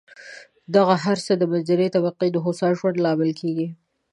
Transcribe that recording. دغه هر څه د منځنۍ طبقې د هوسا ژوند لامل کېږي.